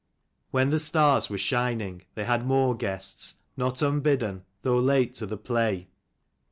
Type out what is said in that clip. When the stars were shining, they had more guests, not unbidden, though late to the play.